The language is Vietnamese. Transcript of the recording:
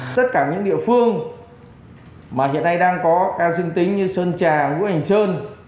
tất cả những địa phương mà hiện nay đang có ca dương tính như sơn trà ngũ hành sơn